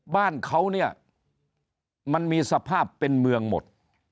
บ้านเขาเนี่ยมันมีสภาพเป็นเมืองหมด